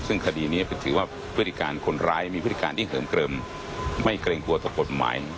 ซึ่งขดินี้ถือว่าพฤติกรรมคนร้ายมีพฤติกรรมที่เหิมเกิลม